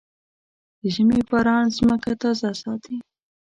د ژمي باران ځمکه تازه ساتي.